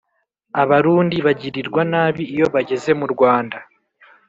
abarundi bagirirwa nabi iyo bageze mu rwanda